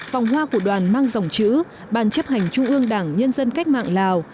phong hoa của đoàn mang dòng chữ bàn chấp hành trung ương đảng nhân dân cách mạng lào